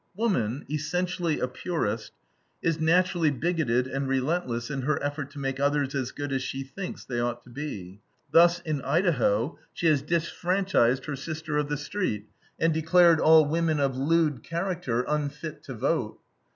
Woman, essentially a purist, is naturally bigotted and relentless in her effort to make others as good as she thinks they ought to be. Thus, in Idaho, she has disfranchised her sister of the street, and declared all women of "lewd character" unfit to vote.